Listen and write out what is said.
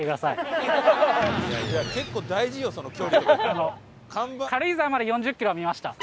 あの軽井沢まで４０キロは見ました。